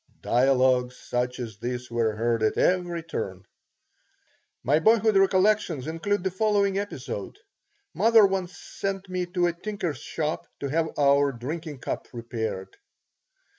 Dialogues such as this were heard at every turn My boyhood recollections include the following episode: Mother once sent me to a tinker's shop to have our drinking cup repaired.